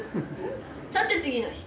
さて次の日。